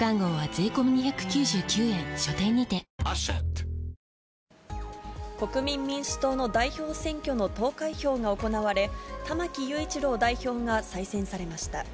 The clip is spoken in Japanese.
最高の渇きにＤＲＹ国民民主党の代表選挙の投開票が行われ、玉木雄一郎代表が再選されました。